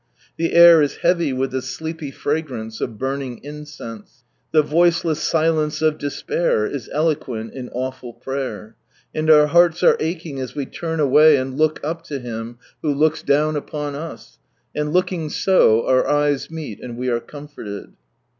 The air is heavy with the sleepy fragrance of burning incense, " the voiceless silence of despair is eloquent in awful prayer," and our hearts are aching as we turn away and look up to Him who looks down upon us ; and looking so, our eyes meet, and we are comforted.